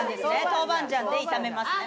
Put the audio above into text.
豆板醤で炒めますね